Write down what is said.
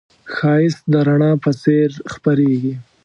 ښایست د رڼا په څېر خپرېږي